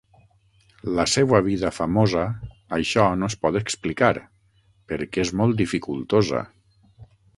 La seua vida famosa, això no es pot explicar, perquè és molt dificultosa.